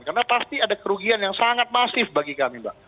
karena pasti ada kerugian yang sangat masif bagi kami mbak